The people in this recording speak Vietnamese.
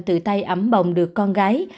từ tay ấm bồng được con gái